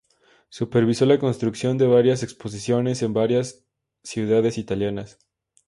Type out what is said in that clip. Supervisó la construcción de varias exposiciones en varias ciudades italianas.